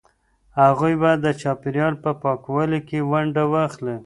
هغوی باید د چاپیریال په پاکوالي کې ونډه واخلي.